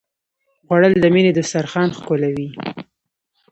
خوړل د مینې دسترخوان ښکلوي